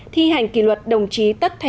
thi hành kỳ luật đồng chí